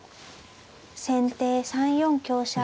先手３四香車。